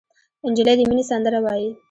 نجلۍ د مینې سندره وایي.